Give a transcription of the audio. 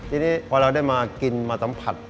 ทีนี้พอเราได้มากินมาสัมผัส